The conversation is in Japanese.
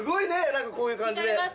何かこういう感じで。